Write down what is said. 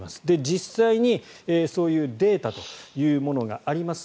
実際に、そういうデータというものがあります。